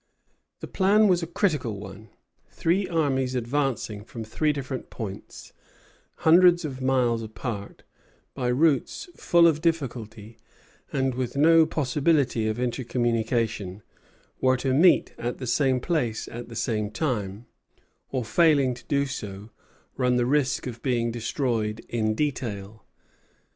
The plan was a critical one. Three armies advancing from three different points, hundreds of miles apart, by routes full of difficulty, and with no possibility of intercommunication, were to meet at the same place at the same time, or, failing to do so, run the risk of being destroyed in detail.